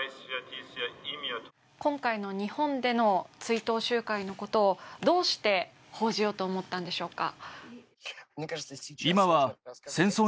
今回の日本での追悼集会のことをどうして報じようと思ったのでしょうか？